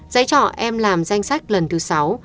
giấy trọ em làm danh sách lần thứ sáu